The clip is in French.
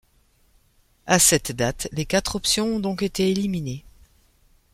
À cette date, les quatre options ont donc été éliminées.